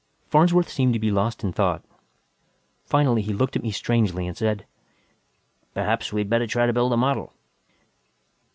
Farnsworth seemed to be lost in thought. Finally he looked at me strangely and said, "Perhaps we had better try to build a model."